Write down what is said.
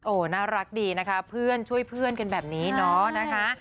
โอ้โหน่ารักดีนะคะเพื่อนช่วยเพื่อนกันแบบนี้เนาะนะคะ